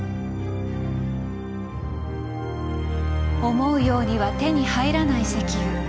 思うようには手に入らない石油。